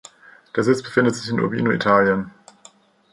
Der Sitz befindet sich in Urbino, Italien.